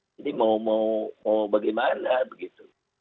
jadi mau bagaimana begitu